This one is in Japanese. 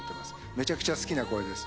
めちゃくちゃ好きな声です。